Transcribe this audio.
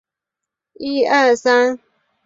孵溪蟾只曾发现在未开发的雨林出现。